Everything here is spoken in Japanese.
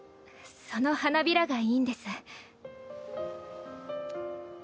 その花びらがいいんです。